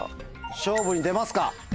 勝負に出ますか？